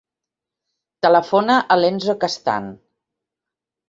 Telefona a l'Enzo Castan.